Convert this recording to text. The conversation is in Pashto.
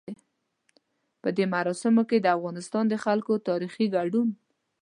په دې مراسمو کې د افغانستان د خلکو تاريخي ګډون.